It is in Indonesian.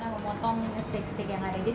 bagaimana memotong steak steak yang ada